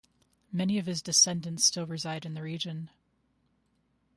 Many of his descendants still reside in the region.